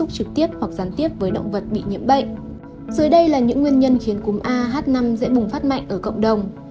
dưới đây là những nguyên nhân khiến cúm a h năm dễ bùng phát mạnh ở cộng đồng